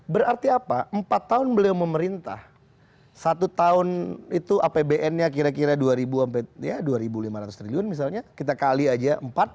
berarti apa empat tahun beliau memerintah satu tahun itu apbnnya kira kira dua dua ribu lima ratus triliun misalnya kita kali aja empat